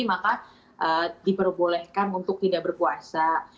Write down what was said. maka diperbolehkan untuk tidak berpuasa